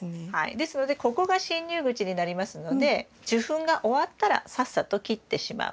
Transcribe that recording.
ですのでここが進入口になりますので受粉が終わったらさっさと切ってしまう。